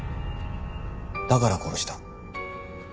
だから殺した。